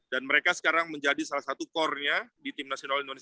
dan mereka sekarang menjadi salah satu core nya di timnas indonesia sekarang